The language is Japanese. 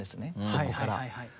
はいはい。